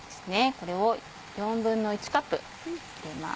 これを１／４カップ入れます。